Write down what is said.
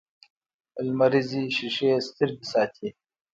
لمریزې شیشې سترګې ساتي